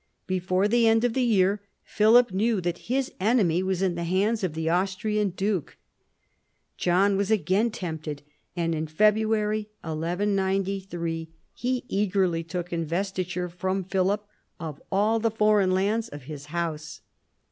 Before the end of the year Philip knew that his enemy was in the hands of the Austrian duke. John was again tempted, and in February 1193 he eagerly took investiture from Philip of all the foreign lands of his house.